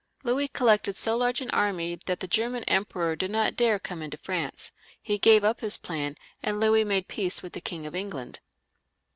Louis collected so large an army that the German emperor did not dare to come into France ; he gave up his plan, and Louis made peace with the King of England.